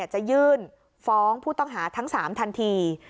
จะยื่นฟ้องผู้ต้องหาทั้ง๓ทันที